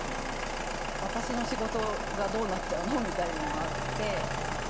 私の仕事がどうなっちゃうの？みたいなのがあって。